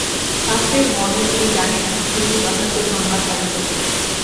শাস্ত্রের মর্ম যিনি জানেন, তিনিই যথার্থ ধর্মাচার্য।